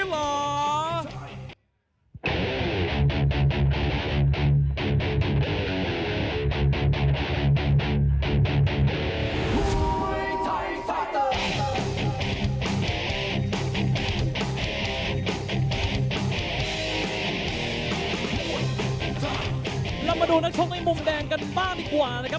เรามาดูนักชกในมุมแดงกันบ้างดีกว่านะครับ